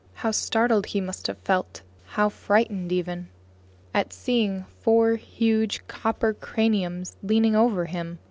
How startled he must have felt, how frightened even, at seeing four huge, copper craniums leaning over him!